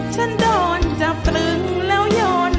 ฉันโดนจับตรึงแล้วยน